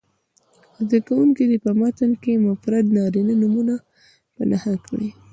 زده کوونکي دې په متن کې مفرد نارینه نومونه په نښه کړي.